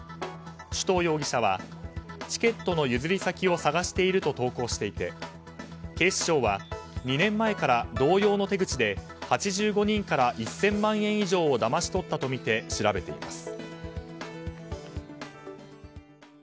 首藤容疑者はチケットの譲り先を探していると投稿していて警視庁は２年前から同様の手口で８５人から１０００万円以上をだまし取ったとみて調べています。